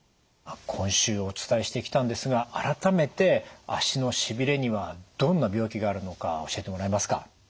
今週お伝えしてきたんですが改めて足のしびれにはどんな病気があるのか教えてもらえますか？